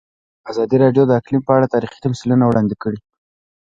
ازادي راډیو د اقلیم په اړه تاریخي تمثیلونه وړاندې کړي.